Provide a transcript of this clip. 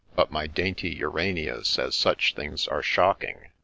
But my dainty Urania says, ' Such things are shocking